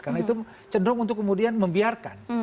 karena itu cenderung untuk kemudian membiarkan